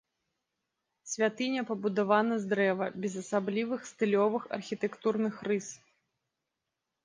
Святыня пабудавана з дрэва без асаблівых стылёвых архітэктурных рыс.